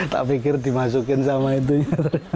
tak pikir dimasukin sama itu ya